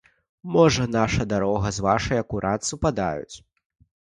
Можа, наша дарога з вашай акурат супадаюць?